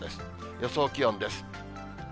予想気温です。